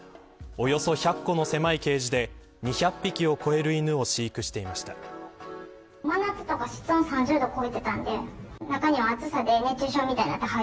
およそ１００個の狭いケージで２００匹を超える犬を飼育していました。